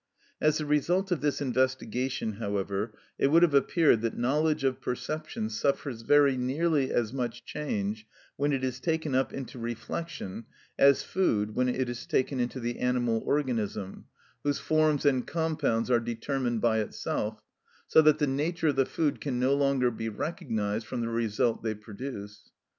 As the result of this investigation, however, it would have appeared that knowledge of perception suffers very nearly as much change when it is taken up into reflection as food when it is taken into the animal organism whose forms and compounds are determined by itself, so that the nature of the food can no longer be recognised from the result they produce.